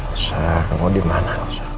elsa mau dimana